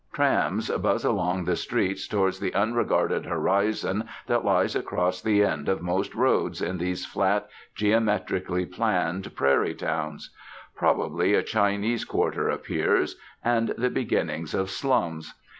Trams buzz along the streets towards the unregarded horizon that lies across the end of most roads in these flat, geometrically planned, prairie towns. Probably a Chinese quarter appears, and the beginnings of slums.